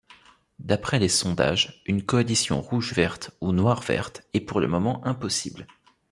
D'après les sondages, une coalition rouge-verte, ou noire-verte, est pour le moment impossible.